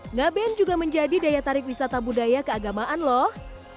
ngaben juga menjadi daya tarik wisata budaya keagamaan loh